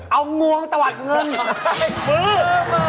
เอางวงตะวัดเงินเหรอ